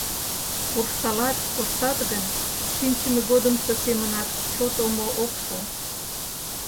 Куржталат, коштат гын, шинчыме годымсо семынак чот омо ок шу.